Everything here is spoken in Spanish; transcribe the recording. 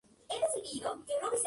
Es el "Bond" insolente y sarcástico.